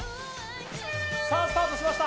さぁスタートしました！